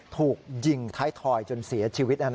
ถูกยิงท้ายถอยจนเสียชีวิตนะครับ